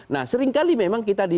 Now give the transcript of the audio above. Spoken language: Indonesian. nah seringkali memang kita